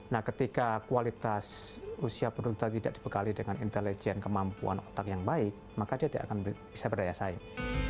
nah ketika kualitas usia penduduk tidak dibekali dengan intelijen kemampuan otak yang baik maka dia tidak akan bisa berdaya saing